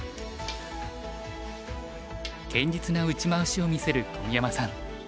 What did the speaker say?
堅実な打ち回しを見せる小宮山さん。